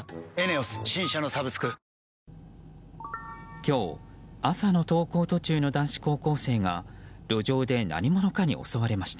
今日、朝の登校途中の男子高校生が路上で何者かに襲われました。